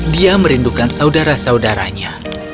dia merindukan saudara saudaranya